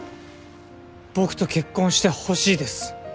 僕と結婚してほしいです。